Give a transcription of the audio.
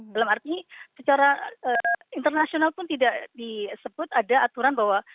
dalam arti secara internasional pun tidak disebut ada aturan bahwa